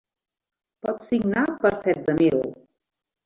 Pots signar per setze mil.